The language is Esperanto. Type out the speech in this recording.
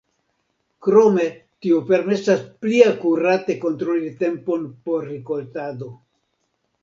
Krome tio permesas pli akurate kontroli tempon por rikoltado.